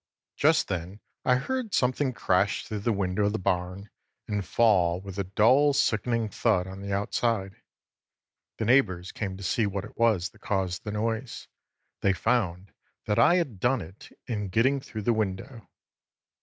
Just then I heard something crash through the window of the barn and fall with a dull, sickening thud on the outside. The neighbors came to see what it was that caused the noise. They found that I had done it in getting through the window.